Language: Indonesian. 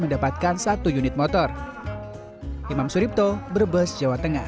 mendapatkan satu unit motor imam suripto brebes jawa tengah